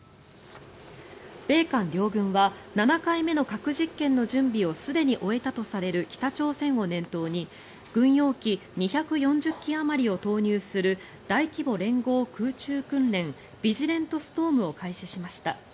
米韓両軍は７回目の核実験の準備をすでに終えたとされる北朝鮮を念頭に軍用機２４０機あまりを投入する大規模連合空中訓練ビジレントストームを開始しました。